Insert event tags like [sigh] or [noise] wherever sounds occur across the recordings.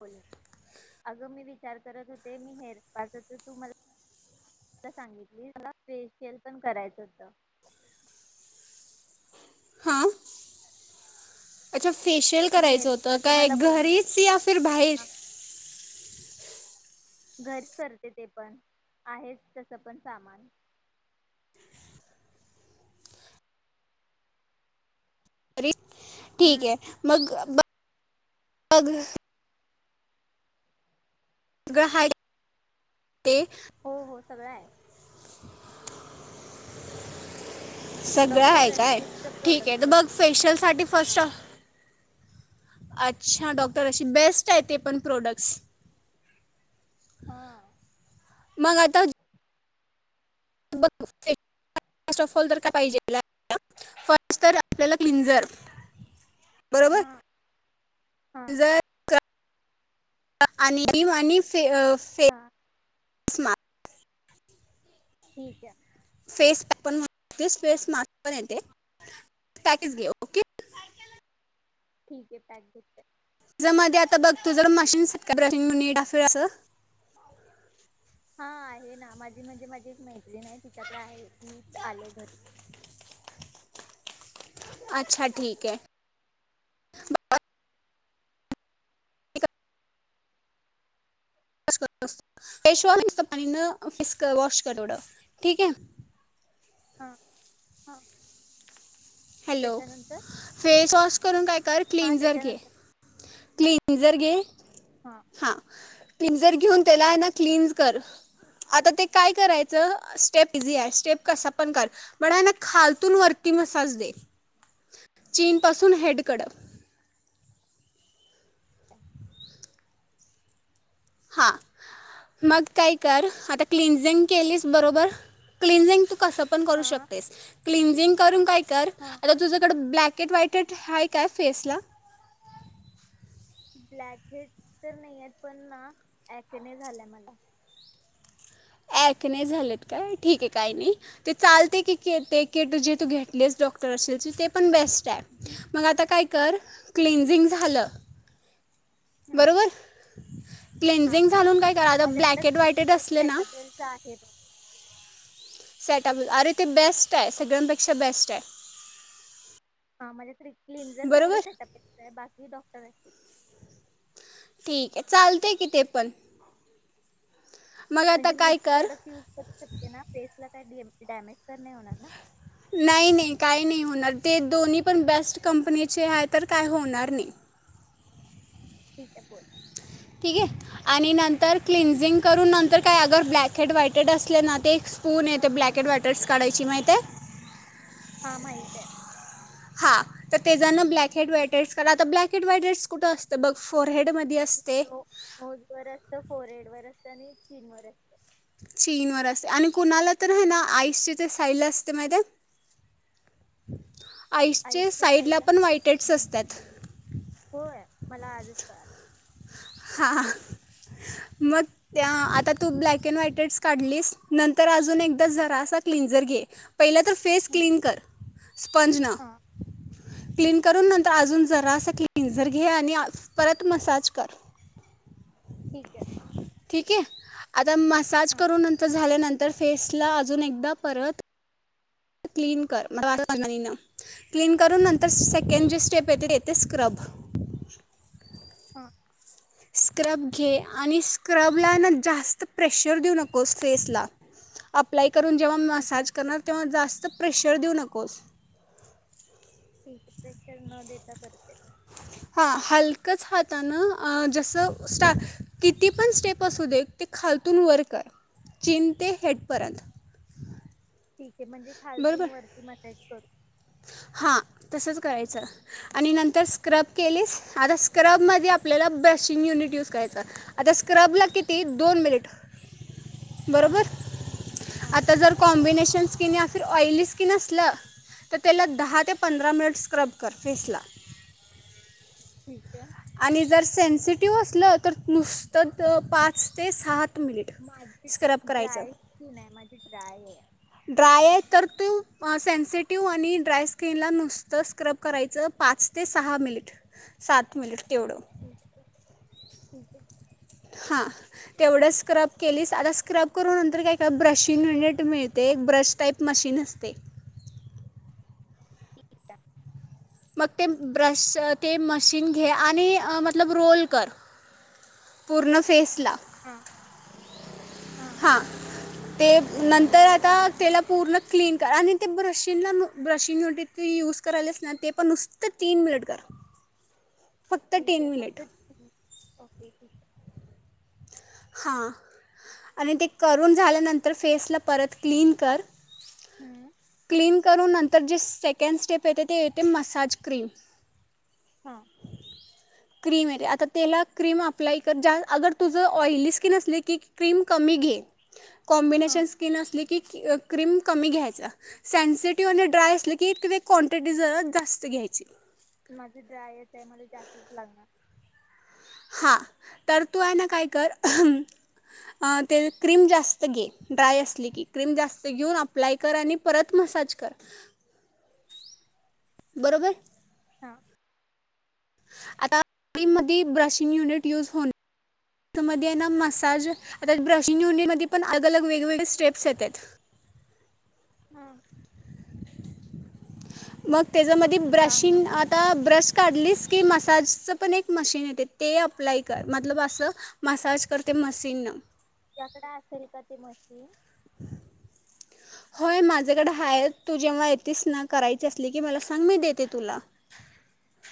बोल ना अगं मी विचार करत होते हेअर स्पाच तर तु मला सांगितलिस मला फेशियल पण करायच होतं. हा अच्छा फेशियल तू करायचं हेअर होतं स्पाच काय मला बोलली घरीच या फिर भाईर हा घरीच करते ते पण आहेच तस पण सामान [unintelligible] ठीक हम्म ये मग अग ग हाय ते हो हो सगळं हाय [inaudible] सगळं डॉक्टर हाय काय रस्थितच ठीक ये त प्रोडक्ट बघ आहे फेशियल साठी फर्स्ट हा अच्छा डॉक्टर रशी बेस्ट आहे ते पण प्रॉडस्टस् हा मग आता [unintelligible] आपल्याला क्लीिंजर हा हा क्लिन्झर आणि आणि फेअ से हा स्मा ठीके फेस पॅक पण ते फेस मास्क पण येते पॅकच घे ओके. ठीके पॅक घेते. चा मध्ये आता बघ तु जर मशीन सेट कर अस हा हे ना माझी माझी माझी एक मैत्रीण आहे तिच्याकडे आहे तीच आले तर अच्छा ठीके ब फेशवॉश नुसत पाण्यान फेस वॉश कर तेवढं ठीक हाय? हं अ हॅलो फेस वॉश करून काय कर हा क्लिंजर घे त्याच्यानंतर क्लिंनझर घे. हा क्लिनजर घेऊन त्याला आहे ना क्लिनज कर, आता ते काय करायचं स्टेप इझी आहे स्टेप कसा पण कर पण आहे ना खालतून वरती मसाज दे चीन पासून हेडकडं. हा मग काय कर आता क्लनझिंग केलीस बरोबर? क्लनझिंग तू कस पण करू हा शकतेस क्लिंनझिंग करून काय कर हा आता तुझ्याकड ब्लॅक वाईटेड हाय काय फेसला? ब्लॅक हेड तर नाही आहेत, पण ना ऐकने झालाय मला. ऐकने झालेत काय ठीक आहे काही नाही ते चालते की ते की जे तू घेटलेस डॉक्टर असेल ते पण बेस्ट टाय मग आता काय क कर क्लिंझिंग झालं. हां बरोबर क्लेंझिग झालून काय कर आता माझ्याकडे ब्लॅक अँड व्हाईटेट क्लिंजर असले ना. सेटापेलचा आहे बघ. सेटअप अरे ते बेस्ट आहे सगळ्यांपेक्षा बेस्ट आहे. हा माझ्या तरी क्लींझर तेवढं बरोबर सेटप आहे बा मी डॉक्टर हाय ठीक आहे चालते की ते पण मग आता म्हणजे काय मिक्स कर प्रोडक्ट युज करू शकते ना फेस ला काय डॅमेज तर नाही होणार ना? नाही नाही काही नाही होणार. ते दोन्ही पण बेस्ट कंपनीचे आहे, तर काय होणार नाही. ठीक आहे बोल ठीके आणि नंतर क्लिन्झिंग करून नंतर काय अगर ब्लॅक ऐड व्हाईटेड असले ना ते एक स्पून येते ब्लॅक ऐड व्हाईटेडस काढायची माहितेय? ह माहित आहे. हा तर तेजानं ब्लॅक हेड, व्हाईटहेड्स करा आता ब्लॅक हेड्स, व्हाइटहेड कुठं असत बघ फ हेडमधी असते फोर एड वर असतं आणि एक चीन वर असत. चीन वर अस आणि कुणाला तर हाय ना आईसचे ते साईल असते माहितेय आईसचे साईडला पण व्हाईटहेड्स असतात. होय, मला आजच कळाल. हा [unintelligible] मग त्या आता तू ब्लॅक अँन्ड व्हाईटहेड्स काढलीस, नंतर अजून एकदा जरासा क्लिंझर घे. पहिलं तर फेस क्लीन कर. स्पंज न हां ठीक क्लीन आहे. करून नंतर अजून जरास क्लिंझर घे आणि आ परत मसाज कर ठीक आहे ठीके आ मसाज हां करून नंतर झाल्या नंतर तर फेसला अजून एकदा परत क्लीन कर [inaudible] क्लिन करून नंतर तर सेकंड ठीक जे स्टेप येतय ते ते स्क्रब हा स्क्रब घे आणि स्क्रबला ना जास्त प्रेशर देऊ नकोस फेसला अप्लाय करून जेव्हा अच्छा मसाज करणार तेव्हा जास्त तर प्रेशर देऊ नकोस. ठीकय प्रेशर न देता करते. हा हलकच हातानं आ जस स्टा किती पण स्टेप असू दे ते खालतून वर कर चीन ते हेडपर्यंत. ह म्हणजे खालतून बरोबर वरती मसाज बरं हां तसंच करायचं आणि नंतर स्क्रब केलीस आता स्क्रबमध्ये आपल्याला ब्रशिंग युनिट यूज करायच, आता स्क्रबला किती दोन मिनिट हां बरोबर हां आता जर कॉम्बिनेशन कवींनी या फिर ऑईलि स्किन असल तर त्याला दहा ते पंधरा मिनिट स्क्रब कर फेस ला ठीके आणि जर सेन्सिटिव्ह असलं तर नुसतं पाच ते सा मिनट माझी स्क्रब करायच, ड्राय स्किन आहे माझी ड्राय आहे ड्राय आहे तर तू सेन्सिटिव्ह आणि ड्राय स्किनला नुसतं स्क्रब करायचं पाच ते सहा मिनिट सात [inaudible] तेवढ ठीके ठीके हां तेवढं स्क्रब केलीस आता स्क्रब करून नंतर काय कर ब्रशिंग युनीट मिळतय, एक ब्रश टाईप मशीन असतय. ठीक आहे. मग ते ब्रश ते मशीन घे आणि मतलब रोल कर पूर्ण फेसला हा हा ते नंतर आता त्याला पूर्ण क्लीन कर आणि ते ब्रशिनला ब्रशिंग युनीट ते यूज करायल्यास ना ते पण नुसतं तीन मिनिट कर. फक्त ठीके टेन फक्त मिनिट [unintelligible] ओके ठीक ये. हां आणि ते करून झाल्यानंतर फेसला परत क्लीन कर हं, क्लीन करून नंतर जे सेकंड स्टेप येते ते येते मसाज क्रीम हा क्रीम ये ती आता तेला क्रीम अप्लाय कर जास् अगर तुझं ऑइली स्किन असली की क्रीम कमी घे हां कॉमबिनेशन स्किन असली की क्रीम कमी घ्यायचा. सेन्सिटिव्ह आणि ड्राय असलं की ती क्वांटिटी जरा जास्त घ्यायची. माझी ड्रायच ये मला जास्तीच लागणार हा तर तू हाय ना काय कर अ ते क्रीम जास्त घे ड्राय असली की क्रीम जास्त घेऊन अप्लाय कर आणि परत मसाज कर बरोबर हा आता क्रीम मधी ब्रशिंग युनिट युज होऊन [unintelligible] मध्ये हाय ना मसाज आता ब्रशिंग युनिटमध्ये पण अलग अलग वेगवेगळे स्टेप्स येत्यात हा मग त्याज्या मधी सांग ना ब्रशिंग तुला आता ब्रश काढलीस ते मसाजचं पण एक मशीन येतय ते अप्लाय कर मतलब असं मसाज कर ते मशीनं [unintelligible] असेल का ते मशीन होय माझ्याकड हाय तू जेव्हा येतीस ना करायची असली की मला सांग मी देते तुला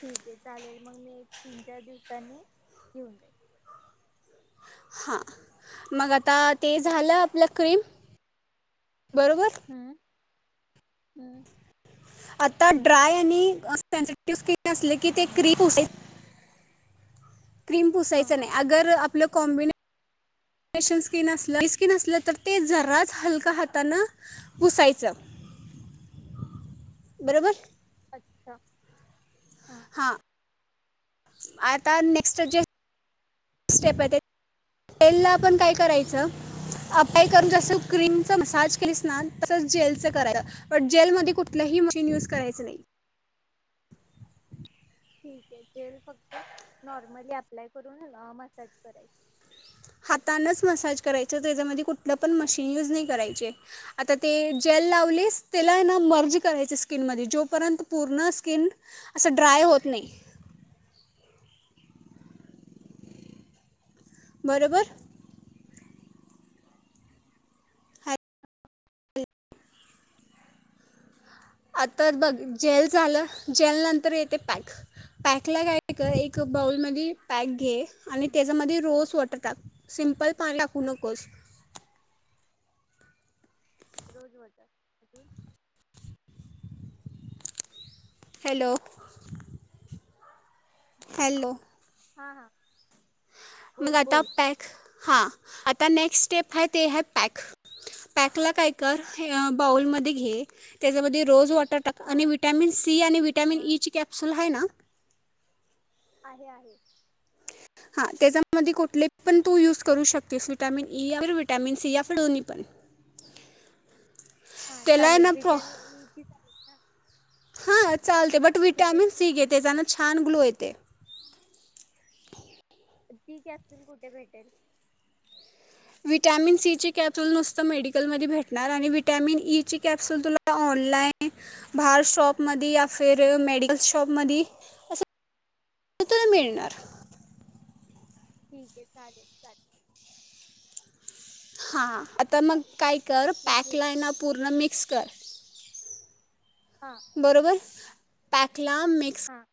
ठीक ये चालेल मग मी एक तीन चार दिवसांनी घेऊन जाईल. हा मग आता ते झाल आपल क्रीम बरोबर हूं आता ड्राय आणि सेनसिटिव स्किन असले की ते क्री [unintelligible] क्रीम पुसायच हां नाय अगर आप पल कॉम्बिने स्पेशल स्किन असल [unintelligible] स्किन तर ते जराच हलक हातान पुुसायच बरोबर [unintelligible] हां आता नेक्स जे स्टेप ये ते तेंला पण काय करायचं अप्लाय करून जसं क्रीमच मसाज केलीस ना तसंच जेलच करायचं बट जेलमध्ये कुठलंही मशीन युज करायचं नाही. ठीक ये जेल फक्त नॉर्मली अप्लाय करून अ मसाज कराय हातानच मसाज करायचं तेजामध्ये कुठलं पण मशीन यूज नही करायचे आता ते जेल लावलीस तेला हाय ना मर्ज करायचे स्किनमध्ये जोपर्यंत पूर्ण स्किन असं ड्राय होत नाई बरोबर हा आताच बघ जेल झालं जेल नंतर येते पॅक पॅकला काय कर एक बाऊलमधी पॅक घे आणि त्याजमधी रोझ वॉटर टाक सिंपल पाणी टाकू नकोस. रोज वॉटर अजून हॅलो हॅलो हां हां मग बोल आता बोल पॅक हां आता नेक्स्ट स्टेप हाय तेहाय पॅक पॅकला काय कर हे अ बाउलमध्ये घे त्याच्यामधी रोज वॉट [unintelligible] टाक आणि हां विटॅमिन सी आणि वीटॅमिन हां ई ची कॅपसूल हाय ना. आहे, आहे. हा त्याच्यामधी कुठले पण तू युज करू शकतीस विटामिन ई, या फीर विटामिन सी, यातील दोन्ही पण. हां त्याला ना चालेल विटॅमिन ईची चालेल ना प्रो--हां चालते बट विटामिन विटॅमिन सी घे त्याच्याने छान ग्लो येतो. ते. ती कॅप्सूल कुठे भेटेल. विटॅमिन सीची कॅप्सुल नुसतं मेडिकलधी भेटणार, आणि विटॅमिन ईची कॅप्सुल तुला ऑनलाईनबाहेर शॉपमधी याफिर मेडिकल शॉपमधी अस [inaudible] तुला मिळणार. ठीके चालेल चालेल. हां. आता मग चालेल काय कर, मी घेत पॅकलायना पूर्ण मिक्स कर. हां बरोबर. पॅक. ला मिक्स हां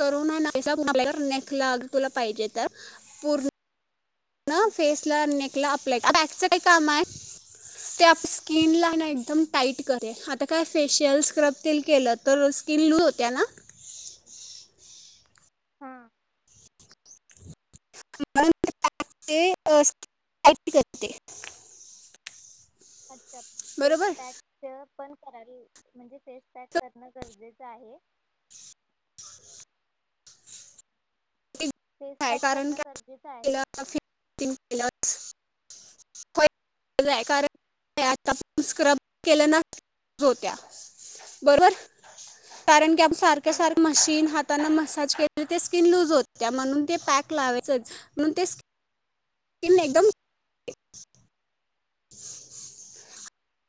करुन नाहिसा [unintelligible] अप्लाई कर [unintelligible] तुला पाहिजे तर, पूर ना ठीक आहे फेसला नेकला आप [unintelligible] पॅकच काय कामाय ते आप स्किनला ना एकदम टाईट करे, आता काय फेशियल स्क्रब तेन केलं तर स्किन लूज होत्या ना? हां [inaudible] अ टाइट करते. अच्छा! फेस बरोबर पॅकच पण कराल म्हणजे, फेसपॅक तर करणं गरजेच आहे. फेस काय पॅक कारण, करणं काय गरजेचं [inaudible] आहे क्लिअर होय, [unintelligible] कारण की आता आपण स्क्रब केलं ना लूज होत्या, बरोबर कारण की आप सारखं ठीक सारखं आहे मशीन हाताना मसाज केल म्हणजे ते स्किन लूज होत्या म्हणून, ते पॅक लावायचंच म्हणून ते स्क स्किन हां एकदम [unintelligible] [unintelligible]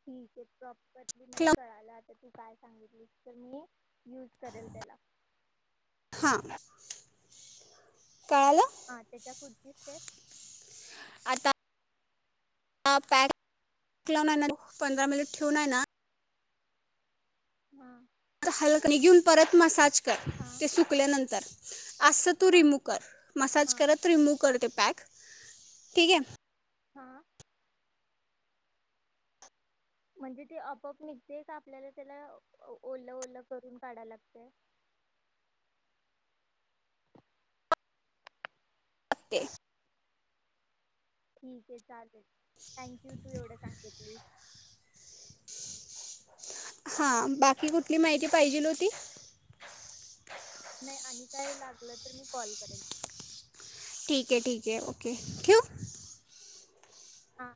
ठिक ये प्र बदली मला कळाल आ तर तू काय? सांगितलीस तर, मी यूज करेल त्याला. [inaudible] काल हा त्याच्यापुढची स्टेप, [inaudible] आ आता, [inaudible] आ पॅक [inaudible] का लाडू आहे ना पंधरा मिनिट ठेऊून आहे ना ह. हल निघेून परत मसाज कर हां ते सुकल्यानंतर अस तू हा रिमू कर मसाज हा करत रिमूव करते. पॅक, ठीके. [inaudible] म्हणजे ते आपप निघतय, का आपल्याला त्याला ओलं ओलं करून काढाय लागतंय? [unintelligible] ठीके चालेल. थँक्यू तू एवढं सांगतलीस. हां, बाकी कुठली माहिती पाहिजेल होती? नाही आणि काय लागलं तर मी कॉल करेन. ठीके ठीके ओके, ठेवू. आं